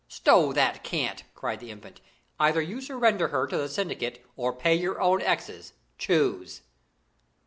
"Stow that cant!" cried the Infant. "Either you surrender her to the syndicate or pay your own exes. Choose!"